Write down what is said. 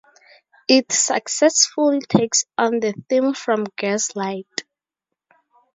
It successfully takes on the theme from "Gaslight".